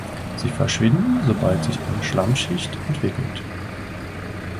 Sie verschwinden, sobald sich eine Schlammschicht entwickelt.